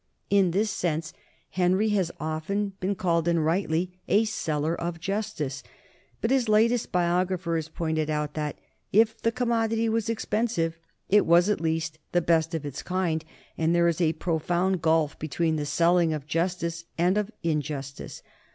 In this sense Henry has often been called, and rightly, a seller of justice, but his latest biographer has pointed out that "if the commod ity was expensive it was at least the best of its kind, and there is a profound gulf between the selling of justice and of injustice.